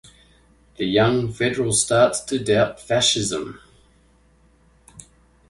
The young federal starts to doubt fascism.